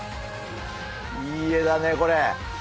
いい画だねこれ！